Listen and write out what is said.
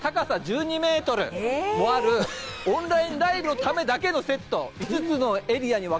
３階建て構造の高さ１２ｍもあるオンラインライブのためだけのセット。